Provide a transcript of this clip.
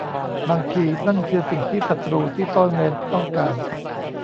บางที นั่นคือสิ่งที่ศ้ตรูที่ซ่อนเร้นต้องการ